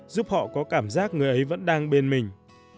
giúp họ có cảm giác người ấy vẫn đang bên mình